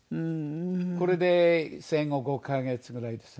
これで生後５カ月ぐらいですね。